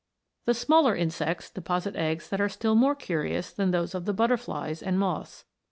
The smaller insects deposit eggs that are still more curious than those of the butterflies and moths.